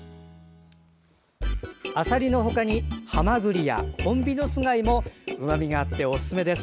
アサリの他にハマグリやホンビノス貝もうまみがあっておすすめです。